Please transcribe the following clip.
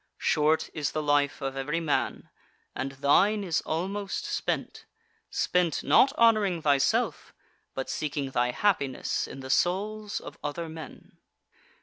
Short is the life of every man; and thine is almost spent; spent, not honouring thyself, but seeking thy happiness in the souls of other men.